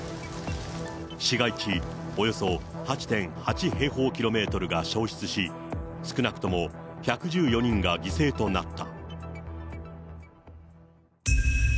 市街地およそ８．８平方キロメートルが焼失し、少なくとも１１４人が犠牲となった。